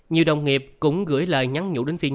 nhiều đồng nghiệp cũng gửi lời nhắn nhũ đến phi nhung